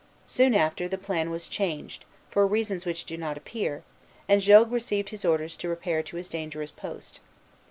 Soon after, the plan was changed, for reasons which do not appear, and Jogues received orders to repair to his dangerous post.